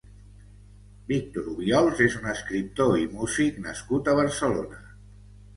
Víctor Obiols és un escriptor i músic nascut a Barcelona.